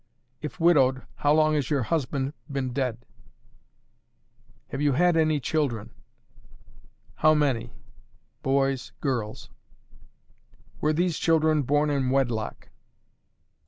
"If widowed, how long has your husband been dead? "Have you had any children? "How many? Boys Girls "Were these children born in wedlock?